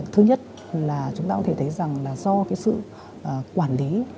thứ nhất là chúng ta có thể thấy rằng là do cái sự quản lý